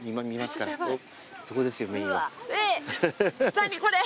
何これ。